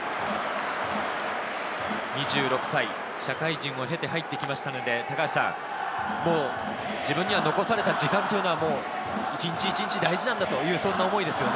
２６歳、社会人を経て入ってきましたので、もう自分には残された時間というのは一日一日、大事なんだというそういう思いですよね。